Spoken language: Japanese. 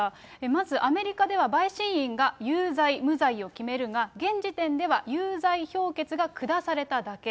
まずアメリカでは陪審員が有罪、無罪を決めるが、現時点では有罪評決が下されただけ。